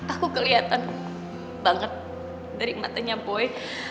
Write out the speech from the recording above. aku kelihatan banget dari matanya boy